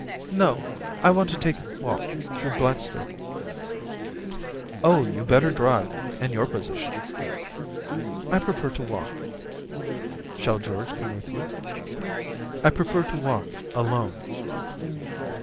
' No ; I want to take a walk through Black stable.' 'Oh, you'd better drive, in your position.' ' I prefer to walk.' ' Shall George come with you ?'* I prefer to walk alone.'